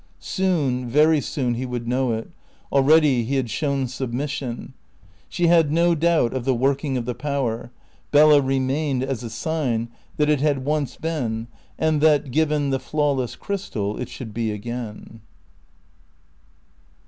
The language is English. Soon, very soon he would know it. Already he had shown submission. She had no doubt of the working of the Power. Bella remained as a sign that it had once been, and that, given the flawless crystal, it should be again.